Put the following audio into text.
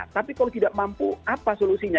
tapi kalau tidak mampu apa solusinya